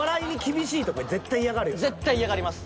だから絶対嫌がります。